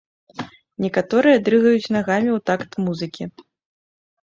Некаторыя дрыгаюць нагамі ў такт музыкі.